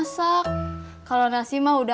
jangan sampai si jata